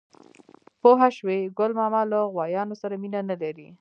_پوه شوې؟ ګل ماما له غوايانو سره مينه نه لري.